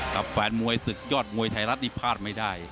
กับแฟนมวยสึกยอดมวยไทรรัฐนิพฤษไม่ได้